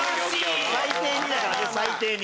最低２だからね最低２！